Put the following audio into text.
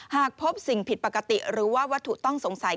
หากพบสิ่งผิดปกติหรือว่าวัตถุต้องสงสัย